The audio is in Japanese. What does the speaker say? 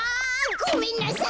・ごめんなさい！